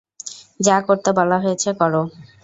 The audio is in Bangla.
যা করতে বলা হয়েছে কর।